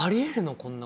こんな事。